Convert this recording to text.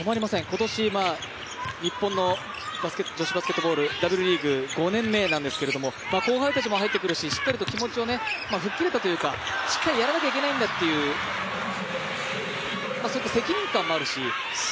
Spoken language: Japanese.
今年、日本の女子バスケットボール、Ｗリーグは５年目なんですけど後輩たちも入ってきますし、しっかりと気持ちを吹っ切れたというか、しっかりやらなきゃいけないんだというそういった責任感もあるし。